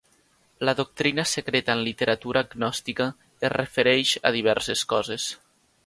La doctrina secreta en literatura gnòstica es refereix a diverses coses.